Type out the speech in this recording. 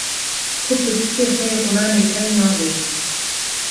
ku pirtûkê xwe yê Qur’anê kevn navêjin